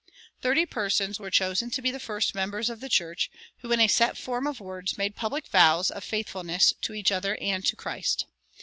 Thirty persons were chosen to be the first members of the church, who in a set form of words made public vows of faithfulness to each other and to Christ.